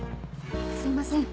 すいません。